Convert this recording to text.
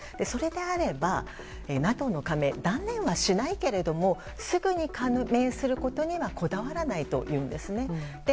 それであれば、ＮＡＴＯの加盟断念はしないけれどもすぐに加盟することにはこだわらないというんです。